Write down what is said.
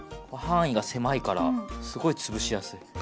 範囲が狭いからすごい潰しやすい。